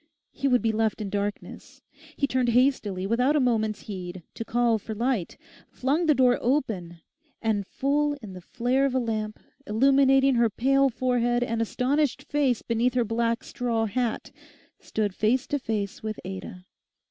He would be left in darkness. He turned hastily without a moment's heed, to call for light, flung the door open and full in the flare of a lamp, illuminating her pale forehead and astonished face beneath her black straw hat, stood face to face with Ada.